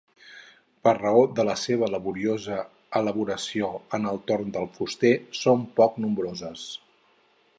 Per raó de la seva laboriosa elaboració en el torn del fuster són poc nombroses.